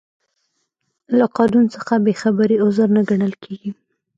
له قانون څخه بې خبري عذر نه ګڼل کیږي.